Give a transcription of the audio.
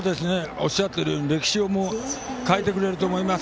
おっしゃってるように歴史を変えてくれると思います。